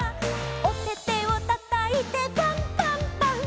「おててをたたいてパンパンパン」